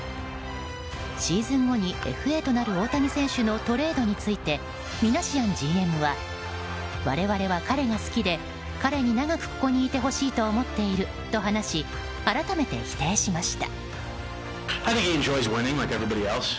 シーズン後にＦＡとなる大谷選手のトレードについてミナシアンＧＭは我々は彼が好きで彼に長くここにいてほしいと思っていると話し改めて否定しました。